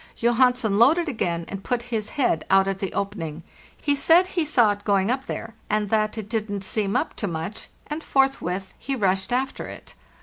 Johansen loaded again, and put his head out at the opening. He said he saw it going up there, and that it didn't seem up to much, and forthwith he rushed after it.